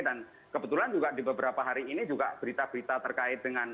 kebetulan juga di beberapa hari ini juga berita berita terkait dengan